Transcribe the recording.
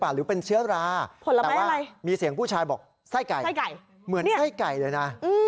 หรือเป็นเชื้อราแต่ว่ามีเสียงผู้ชายบอกไส้ไก่เหมือนไส้ไก่เลยนะ